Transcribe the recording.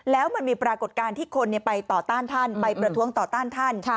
แล้วมันมีปรากฏการณ์ที่คนไปต่อต้านท่านไปประท้วงต่อต้านท่าน